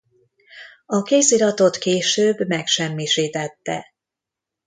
A kéziratot később megsemmisítette.